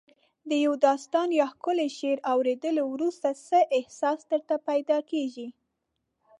د یو داستان یا ښکلي شعر اوریدو وروسته څه احساس درته پیدا کیږي؟